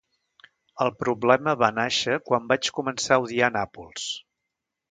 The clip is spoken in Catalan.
El problema va nàixer quan vaig començar a odiar Nàpols.